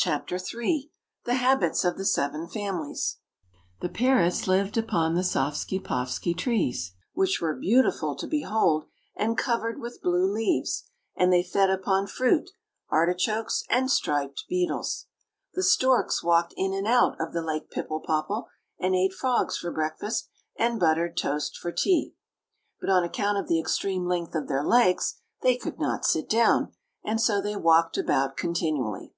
CHAPTER III THE HABITS OF THE SEVEN FAMILIES The parrots lived upon the soffsky poffsky trees, which were beautiful to behold, and covered with blue leaves; and they fed upon fruit, artichokes, and striped beetles. The storks walked in and out of the Lake Pipple popple, and ate frogs for breakfast, and buttered toast for tea; but on account of the extreme length of their legs they could not sit down, and so they walked about continually.